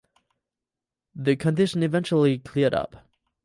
The condition eventually cleared up.